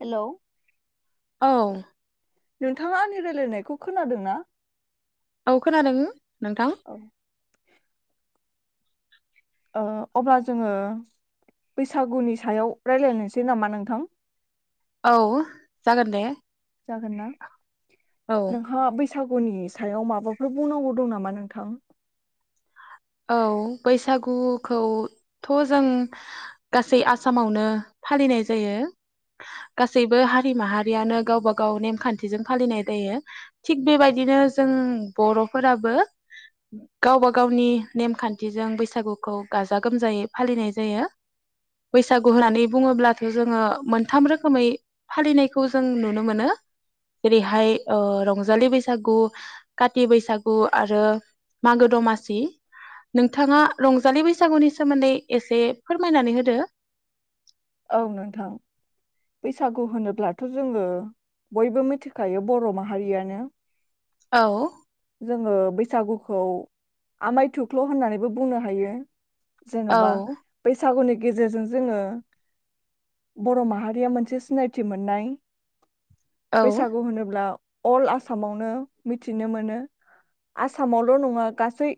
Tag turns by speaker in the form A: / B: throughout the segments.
A: Hello
B: औ
A: नोंथाङा आंनि रायलायनायखौ खोनादों ना?
B: औ खोनादों नोंथां।
A: औ ओ अब्ला जोङो बैसागुनि सायाव रायलायनोसै नामा नोंथां?
B: औ जागोन दे
A: जागोन ना?
B: औ।
A: नोंहा बैसागुनि सायाव माबाफोर बुंनांगौ दं नामा नोंथां?
B: औ बैसागुखौथ' जों गासै आसामावनो फालिनाय जायो गासैबो हारि माहारियानो गावबा गाव नेमखान्थिजों फालिनाय दायो थिग बेबायदिनो जों बर'फोराबो गावबा गावनि नेमखान्थिजों बैसागुखौ गाजा गोमजायै फालिनाय जायो बैसागु होननानै बुङोब्लाथ' जोङो मोनथाम रोखोमै फालिनायखौ जों नुनो मोनो जेरैहाय रंजालि बैसागु काति बैसागु आरो मागो दमासि नोंथाङा रंजालि बैसागुनि सोमोन्दै एसे फोरमायनानै होदो।
A: औ नोंथां बैसागु होनोब्लाथ' जोङो बयबो मिथिखायो बर' माहारियानो
B: औ
A: जोङो बै सागुखौ आमाय थुख्ल' होननानैबो बुंनो हायो।
B: औ
A: जेनबा बाैसा। सागुनि गेजेरजों जोङो बर' माहारिया मोनसे सिनायथि मोननाय
B: औ
A: बैसागु होनोब्ला अल आसामावनो मिथिनो मोनो आसामावल' नङा गासै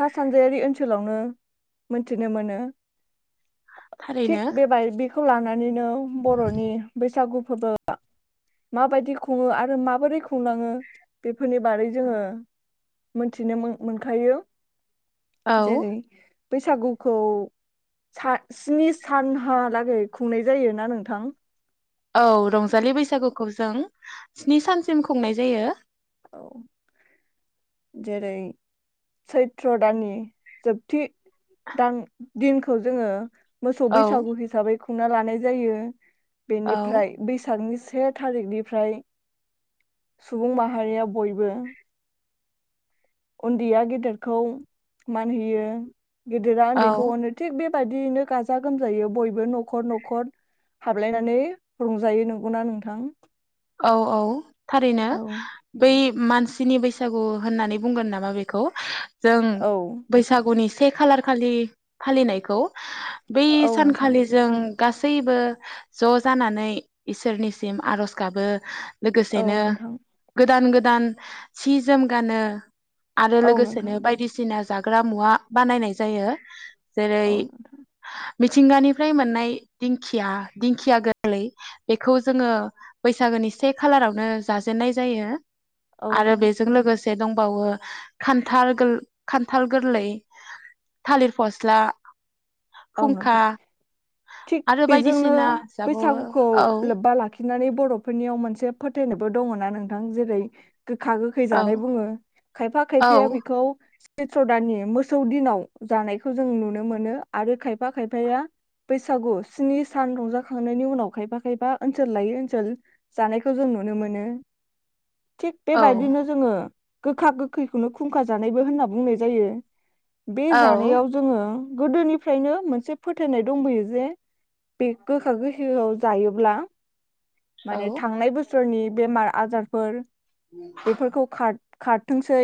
A: सा सानजायारि ओनसोलावनो मोनथिनो मोनो। थिग
B: थारैनो
A: बेबाय बेखौ लानानै नैनो बर'नि बैसागु फोरबो माबायदि खुङो आरो माबोरै खुंलाङो बेफोरनि बारै जोङो मोनथिनो मो मोनखायो
B: औ
A: जेरै बैसागुखौ सा स्नि सानहालागै खुंनाय जायोना नोंथां
B: औ रंजालि बैसागुखौ जों स्नि सानसिम खुंनाय जायो।
A: औ जेरै सैथ्र दाननि जोबथि दान दिनखौ जोङो मोसौ
B: औ
A: बैसागु हिसाबै खुंना लानाय जायो!
B: औ
A: बेनिफ्राय बैसागनि सि से थारिखनिफ्राय सुबुं माह माहारिया बयबो उन्दैया गेदेरखौ मान होयो गिदिरा
B: औ
A: उन्दैखौ अनो थिग बे बेबायदियैनो गाजा गोमजायोै बयबो न'खर न'खर हाबलायनानै रंजायो नंगौना नोंथां‌
B: औ औ थारैनो बै मानसिनि बैसागु होननानै बुंगोन नामा बेखौ जों बैसागुनि से खालार खालि फालिनायखौ बै
A: औ नोंथां
B: सानखालि जों। गासैबो ज' जानानै इसोरनिसिम आर'ज गाबो।
A: औ
B: लोगोसेनो
A: नोंथां
B: गोदान गोदान गोदान सि जोम गानो। आरो
A: औ नोंथां
B: लोगोसेनो बायदिसिना जागोन। खाग्रा मुवा बानायनाय जायो। जेरै
A: औ नोंथां।
B: मिथिंगानिफ्राय मोननाय दिंखिया दिंखिया गोरलै बेखौ जोङो बैसागोनि से खालारावनो जाजेननाय जायो ।
A: औ
B: आरो
A: नोंथां
B: बेजों लोगोसे दे दंबावो खान्थाल गोल खान्थाल गोरलै थालिर फस्ला
A: औ
B: फुंखा
A: नोंथां । थिग
B: आरो
A: बेजोंनो
B: बायदिसिना जाबावो
A: बैसागुखौ
B: औ
A: लोब्बा लाखि खिनानै बर'फोरनियाव मोनसे फोथायनायबो दङ ना नोंथां जेरै गोखा गोखै जानाय
B: औ
A: बुङो खायफा खायफाया
B: औ
A: बेखौ चैत्र दाननि मोसौ दिनाव जानायखौ जों नुनो मोनो । आरो खायफा खायफाया बैसागु स्नि सान रंजाखांनायनि उनाव खायफा खायफा ओनसोल लायै ओनसोल जानायखौ जों नुनो मोनो । थिग
B: औ
A: बेबायदिनो जोङो गोखा गोखैखौनो खुंखा जानायबो होनना बुंनाय जायो । बे
B: औ
A: जानायाव जोङो गोदोनि फ्रायनो मोनसे फोथायनाय दंबोयो बे बे गोखा गोखैखौ जायोब्ला माने
B: औ
A: थांनाय बो सोरनि बेमार आजारफोर बेफोरखौ खार खार थोंसै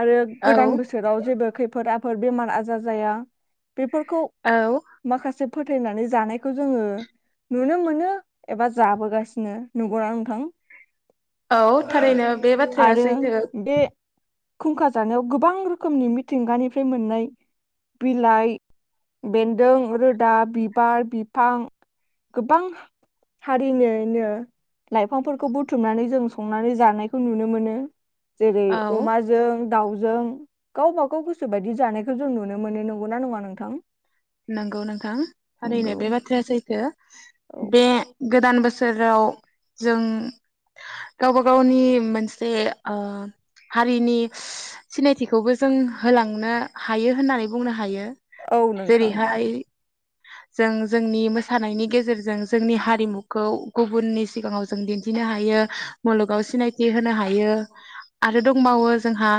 A: आरो गोदान बोसोराव जेबो खै फोद आफोद बेमार आजार जाया । बेफोरखौ
B: औ
A: माखासे फोथायनानै जानायखौ जोङो नुनो मोनो एबा जाबोगासिनो नंगौना नोंथां?
B: औ थारैनो बे बाथ्राया
A: आरो
B: सैथो
A: बे
B: ।
A: खुंखा जानायाव गोबां रोखोमनि मिथिंगानिफ्राय मोननाय बिलाइ बेन्दों रोदा बिबार बिफां गोबां हारिनिनो लाइफांफोरखौ बुथुमनानै जों संनानै जानायखौ नुनो मोनो । जेरै
B: औ
A: अमाजों दाउ जों गावबा गाव गोसो बायदि जानायखौ जों नुनो मोन नंगौना नङा नों थां?
B: नंगौ नोंथां थारैनो बे बाथ्राया सैथो । बे गोदान बो सोराव जों गावबा गावनि मोनसे ओ हारिनि सिनायथिखौबो जों होलांनो हायो होननानै बुंनो हायो ।
A: औ नोंथां ।
B: जों जोंनि मोसानायनि गेजेरजों जोंनि हारिमुखौ गुबुननि सिगाङाव जों दिन्थिनो हायो । मुलुगाव सिनायथि होनो हायो आरो दंबावो जोंहा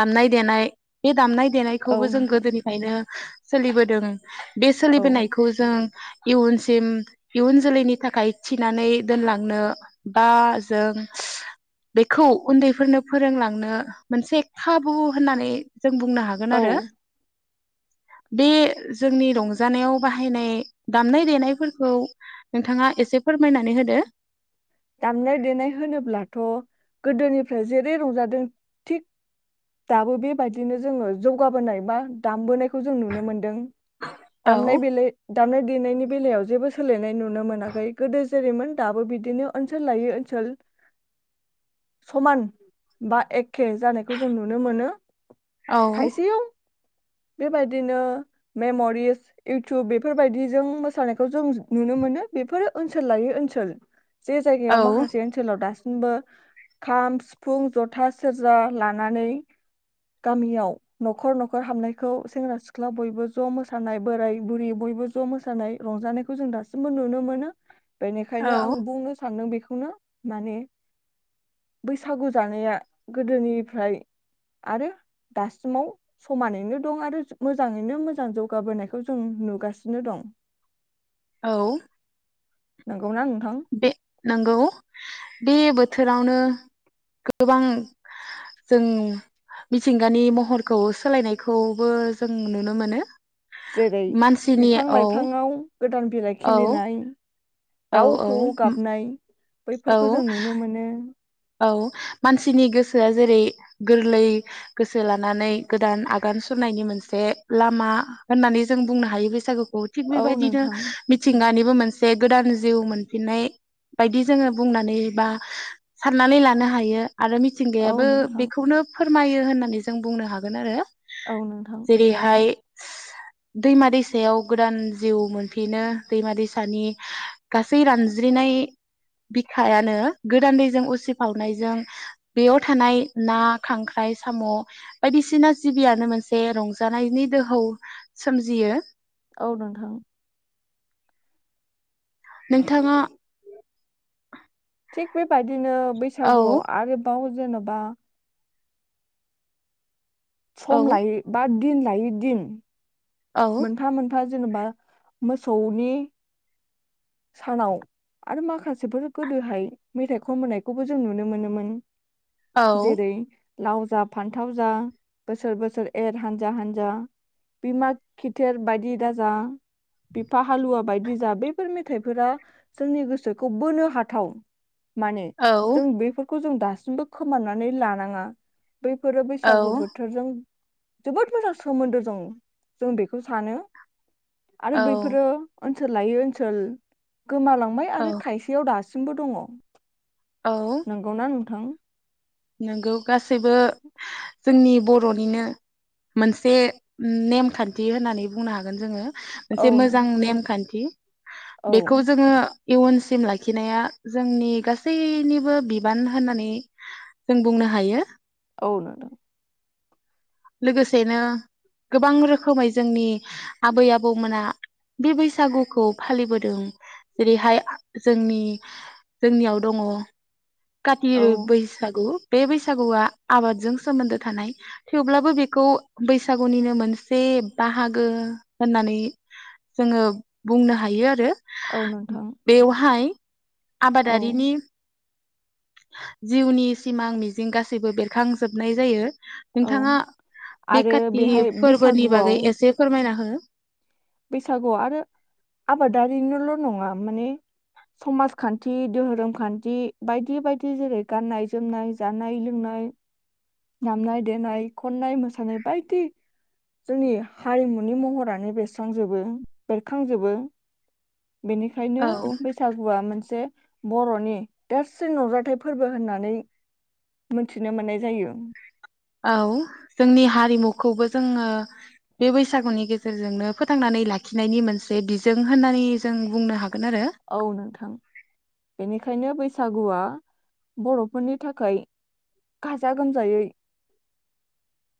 B: दामनाय देनाय बे दामनाय दे
A: औ
B: देनायखौबो जों
A: नोंथां।
B: गोदोनिफ्रायनो सोलिबोदों । बे
A: औ
B: सोलिबोनायखौ जों इयुनसिम इयुन जोलैनि थाखाय थिनानै दोनलांनो बा जों बेखौ उन्दैफोरनो फोरोंलांनो मोनसे खाबु होननानै जों बुंनो
A: औ
B: हागोन आरो बे जोंनि रंजानायाव बाहायनाय दामनाय देनायफोरखौ नोंथाङा एसे फोरमायनानै होदो
A: दामनाय देनाय होनोब्लाथ गोदोनिफ्राय जेरै रंजादों थिग दाबो बेबायदिनो जोङो जौगाबोनाय बा दामबोनाय खौ जों नुनो मोनदों
B: औ
A: दामनाय बेला दामनाय देनायनि बेलायाव जेबो सोलायनाय नु नो मोनाखै गोदो जेरैमोन दाबो बिदिनो ओनसोल लायै ओनसोल समान बा एखे जानायखौ जों नुनो मोनो।
B: औ
A: खायसेयाव बेबायदिनो मेमरिस इउटुब बेफोरबायदिजों मोसानायखौ जों नुनो मोनो बेफोरो ओनसोल लायै ओनसोल। जे जायगायाव
B: औ
A: माखासे ओनसोलाव दास सिमबो खाम सिफुं जथा सेरजा लानानै गामियाव नखर नखर हाबनायखौ सेंग्रा सिख्ला बयबो ज मोसानाय बोराय बुरै बयबो ज' मोसानाय रंजानायखौ जों दासिमबो नुनो मोनो। बेनिखायनो आं
B: औ
A: बुंनो सानदों बेखौनो माने बैसागु जानाया गोदोनिफ्राय आरो दासिमाव समानैनो दं आरो मोजाङैनो मोजां जौगाबोनायखौ जों नुगासिनो दं।
B: औ
A: नंगौना नोंथां
B: नोंगौ बे बोथोरावनो गोबां जों मिथिंगानि महरखौ सोलायनायखौबो जों नुनो मोनो
A: जेरै
B: मानसिनि
A: बिफां
B: औ
A: लाइफाङाव गोदान बिलाइ
B: औ
A: खिलिनाय
B: औ
A: दाउ खौऔ
B: औ
A: गाबनाय
B: औ
A: बैफोरखौ जों नुनो मोनो
B: औ मानसिनि गोसोआ जेरै गोरलै गोसो लानानै गोदान आगान सुरनायनि मोनसे लामा होननानै जों बुंनो हायो बैसागु खौ थिग
A: औ
B: बेबायदिनो
A: नोंथां
B: मिथिंगानि बो मोनसे गोदान जिउ मोनफिननाय बायदि जोङो बुंनानै बा सारनानै लानो हायो। आरो
A: औ
B: मिथिंगायाबो
A: नोंथां
B: बेखौनो फोरमायो होननानै जों बुंनो हागोन आरो
A: औ नोंथां
B: जेरैहाय दैमा दैसायाव गोदान जिउ मोनफिनो दैमा दैसानि गासै रानज्रिनाय बिखायानो गोदान दै जों उसिफावनायजों बेयाव थानाय ना खांख्राइ साम बायदिसिना जिबियानो मोनसे रंजानायनि दोहौ सोमजियो।
A: औ नोंथां
B: नोंथाङा
A: थिग बेबा बिदिनो
B: औ
A: बैसागुआव आरोबाव जेनेबा
B: औ
A: सम लायो बा दिन लायि दिन
B: औ
A: मोनफा मोनफा जेनेबा मोसौनि सानाव आरो माखासेफोर गोदोहाय मेथाइ खनबोनायखौबो जों नुनो मोनोमोन
B: औ
A: । जेरै लाव जा फान्थाव जा बोसोर बोसोर एर हानजा हानजा बिमा खिथेर बायदि दाजा बिफा हालुवा बायदि जा बेफोर मेथाइफोरा जोंनि गोसोखौ बोनो हाथाव । माने
B: औ
A: जों बेफो खौ जों दासिमबो खोमनानै लानाङा ‌। बैफोरो
B: औ
A: बैसागु बोथोरजों जोबोद मोजां सोमोन्दो दं ‌। जों बेखौ सानो । आरो
B: औ
A: बैफोरो ओ सोल लायो ओनसोल गोमालांबाय
B: औ
A: आरो खायसेयाव दास सिमबो दङ । नंगौ ना नो थां
B: नोंगौ ‌। गासैबो जोंनि बर'निनो मोनसे नेमखान्थि होननानै बुंनो हागोन जोङो ‌।
A: औ
B: मोनसे मोजां
A: नोंथां।
B: नेमखान्थि ।
A: औ
B: बेखौ जोङो इयुनसिम लाखिनाया जोंनि गासैनिबो बिबान होननानै जों बुंनो हायो ।
A: औ नोंदां ।
B: लोगोसेनो गोबां रोखोमै जोंनि आबै आबौमोना बे बैसागुखौ फालिबोदों जेरैहाय जोंनि-जोंनियाव दङ काति
A: औ
B: बैसागु बे बैसागुआ आबादजों सोमोन्दो थानाय थेवब्लाबो बेखौ बैसागुनिनो मोनसे बाहागो होननानै जोङो बुंनो हायो आरो
A: औ नोंथां
B: । बेवहाय
A: औ
B: आबादारिनि जिउनि सिमां मिजिं गासैबो बेरखांजोबनाय जायो ।
A: औ
B: नोंथाङा बे
A: आरो
B: काति
A: बेहाय
B: फोरबोनि बागै एसे फोरमायना हो [inaudible]
A: बैसागु आरो आबादारिनोल' नङा माने समाजखान्थि, दोहोरोम खान्थि बायदि बायदि जेरै गाननाय-जोमनाय, जानाय-लोंनाय, दामनाय-देनाय, खननाय-मोसानाय, बायदि जोंनि हारिमुनि महरानो बेसो । खांजोबो बेरखांजोबो । बेनिखायनो
B: औ
A: बैसागुआ मोनसे जे बर'नि देरसिन नुजाथाइ फोरबो होननानै मोनथिनो मोननाय जायो ।
B: औ जोंनि हारिमुखौबो जोङो बे बैसागुनि गेजेरजोंनो फोथांनानै लाखिनायनि मोनसे बिजों होननानै जों बुंनो हाग
A: औ नोंथां बेनिखायनो बै सागुआ बर'फोरनि थाखाय गाजा गोमजायै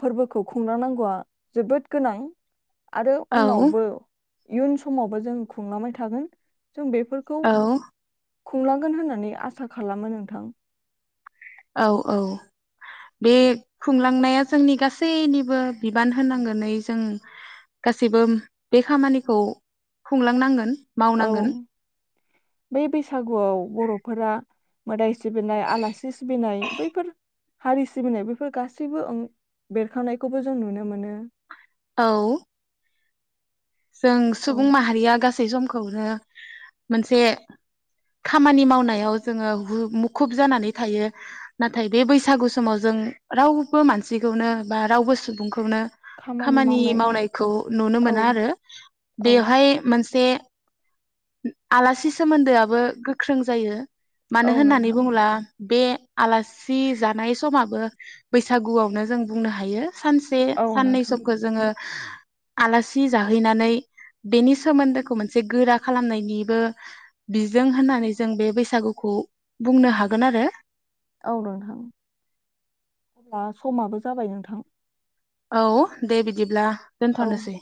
A: फोरबोखौ खुंलांनांगौआ जोबोद गोनां । आरो
B: औ
A: उनावबो इयुन समावबो जों खुंलांबाय थागोन । जों बेफोरखौ
B: औ
A: खुंलांगोन होननानै आसा खालामो नोंथां ।
B: औ औ बे खुंलांनाया जोंनि गासैनिबो बिबान होनांगोन नै जों गासैबो बे खामानिखौ खुंलांनांगोन ।
A: औ बै बैसागुआव बर' फोरा मोदाय सिबिनाय आलासि सिबिनाय बैफोर हारि सिबिनाय बेफोर गासैबो बेरखांनायखौबो जों नुनो मोनो।
B: औ। जों
A: औ
B: सुबुं माहारिया गासै सम खौनो मोनसे खामानि मावनायाव जोङो हु मुखुब जानानै थायो नाथाय बे बैसागु समाव जों रावबो मानसिखौनो बा रावबो सुबुंखौ खौनो खामानि मावनायखौ नुनो
A: औ
B: मोना आरो।
A: औ
B: बेवहाय मा मोनसे आलासि सोमोन्दोआबो गोख्रों जायो। मानो
A: औ
B: होननानै
A: नोंथां
B: बुङोब्ला। बे आलासि जानाय समाबो बैसागुआवनो जों बुंनो हायो। सानसे
A: औ
B: साननै
A: नोंथां
B: समखौ जोङो आलासि जा हैनानै बेनि सोमोन्दोखौ मोनसे गोरा खालामनायनिबो बिजों होननानै जों बे बैसागुखौ बुंनो हागोन आरो।
A: औ नोंथां दा समाबो जाबाय नोंथां।
B: औ दे बिदिब्ला।
A: औ
B: दोनथ'नोसै।